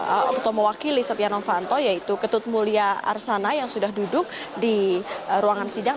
atau mewakili setia novanto yaitu ketut mulia arsana yang sudah duduk di ruangan sidang